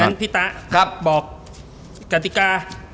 งั้นพี่ต๊ะบอกกฎิการ